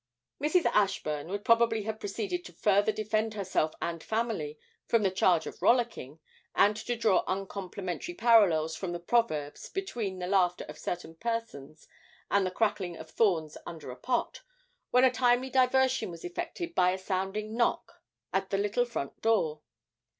Mrs. Ashburn would probably have proceeded to further defend herself and family from the charge of rollicking, and to draw uncomplimentary parallels from the Proverbs between the laughter of certain persons and the crackling of thorns under a pot, when a timely diversion was effected by a sounding knock at the little front door.